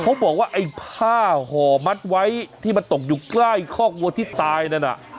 เขาบอกว่าไอ้ผ้าห่อมัดไว้ที่มันตกอยู่ใกล้คอกวัวที่ตายนั่นน่ะ